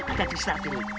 ada di setatunya